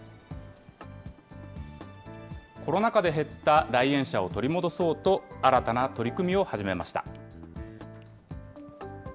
コロナ禍で減った来園者を取り戻そうと、新たな取り組みを始めました。